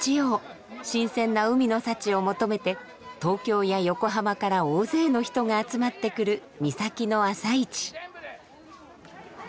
新鮮な海の幸を求めて東京や横浜から大勢の人が集まってくる三崎の朝市。